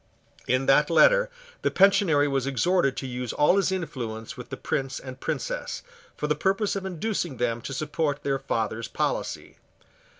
In that letter the Pensionary was exhorted to use all his influence with the Prince and Princess, for the purpose of inducing them to support their father's policy.